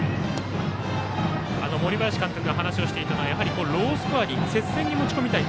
森林監督が話をしていたのはロースコアに接戦に持ち込みたい。